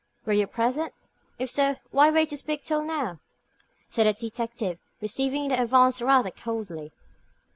Were you present? If so, why wait to speak till now?" said the detective, receiving the advance rather coldly.